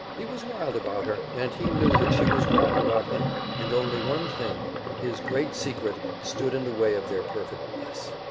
He was wild about her, and he knew that she was wild about him, and only one thing his great secret stood in the way of their perfect bliss.